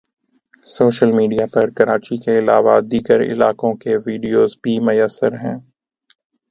social media پر کراچی کے علاوہ دیگر علاقوں کے وڈیوز بھی میسر ہیں